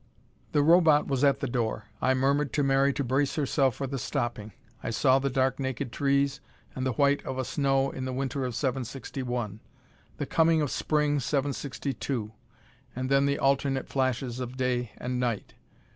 The Robot was at the door. I murmured to Mary to brace herself for the stopping. I saw the dark naked trees and the white of a snow in the winter of 761; the coming spring of 762. And then the alternate flashes of day and night.